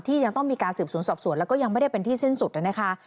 ยังต้องมีการสืบสวนสอบสวนแล้วก็ยังไม่ได้เป็นที่สิ้นสุดนะคะ